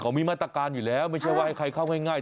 เขามีมาตรการอยู่แล้วไม่ใช่ว่าให้ใครเข้าง่าย